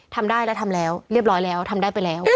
ทำได้แล้วทำแล้วเรียบร้อยแล้วทำได้ไปแล้ว